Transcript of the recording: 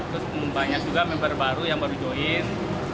terus banyak juga member baru yang baru join